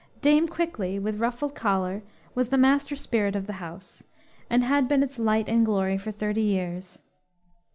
Dame Quickly, with ruffled collar, was the master spirit of the house, and had been its light and glory for thirty years.